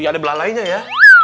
ya ada belakang lainnya ya